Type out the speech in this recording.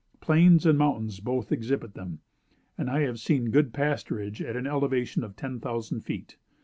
Plains and mountains both exhibit them; and I have seen good pasturage at an elevation of ten thousand feet.